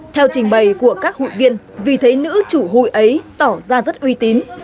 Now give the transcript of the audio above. theo trình bày của các hội viên vì thế nữ chủ hụi ấy tỏ ra rất uy tín